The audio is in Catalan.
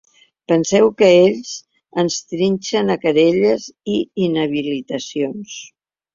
Penseu que ells ens trinxen a querelles i inhabilitacions.